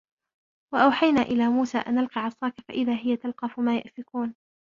وأوحينا إلى موسى أن ألق عصاك فإذا هي تلقف ما يأفكون